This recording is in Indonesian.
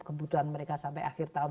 kebutuhan mereka sampai akhir tahun